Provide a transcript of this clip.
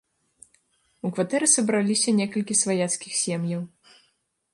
У кватэры сабраліся некалькі сваяцкіх сем'яў.